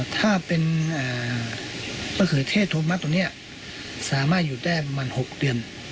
ถ้าเป็นมะเขือเทศโทมัสตัวนี้สามารถอยู่ได้ประมาณ๖เดือน